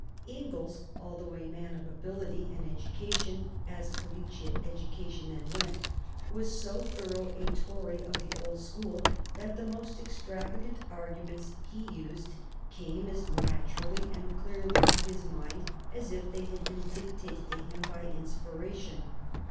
Inglis, although a man of ability and education, as collegiate education then went, was so thorough a Tory of the old school that the most extravagant arguments he used came as naturally and clearly to his mind as if they had been dictated to him by inspiration.